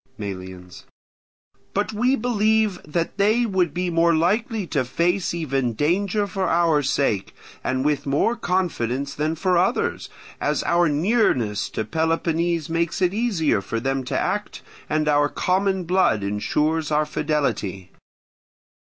Melians. But we believe that they would be more likely to face even danger for our sake, and with more confidence than for others, as our nearness to Peloponnese makes it easier for them to act, and our common blood ensures our fidelity.